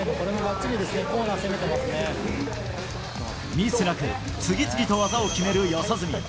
ミスなく次々と技を決める四十住。